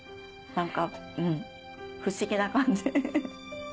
何かうん不思議な感じ。